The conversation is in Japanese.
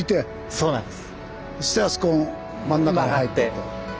そうなんです。